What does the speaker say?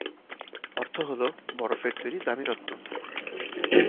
অর্থ হল বরফের তৈরি দামী রত্ন।